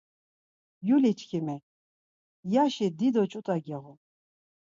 Gyuliçkimi, yaşi dido ç̌ut̆a giğun.